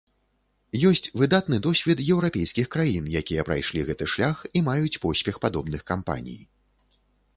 Ёсць выдатны досвед еўрапейскіх краін, якія прайшлі гэты шлях і маюць поспех падобных кампаній.